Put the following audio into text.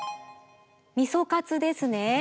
みそカツですね？